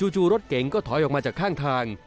จู่รถเก๋งก็ถอยออกมาจากข้างทาง